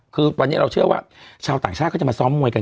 คือวันนี้เราเชื่อว่าชาวต่างชาติเขาจะมาซ้อมมวยกัน